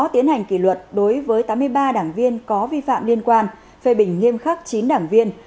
tiến hành kỷ luật đối với tám mươi ba đảng viên có vi phạm liên quan phê bình nghiêm khắc chín đảng viên